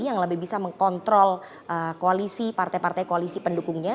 yang lebih bisa mengkontrol koalisi partai partai koalisi pendukungnya